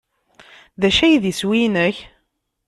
D acu i d iswi-inek?